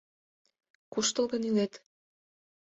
— Куштылгын илет.